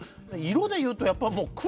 色でいうとやっぱもう黒。